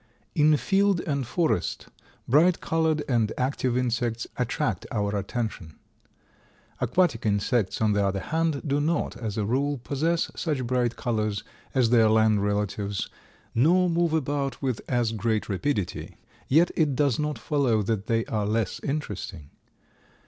In field and forest bright colored and active insects attract our attention. Aquatic insects, on the other hand, do not, as a rule, possess such bright colors as their land relatives nor move about with as great rapidity, yet it does not follow that they are less interesting.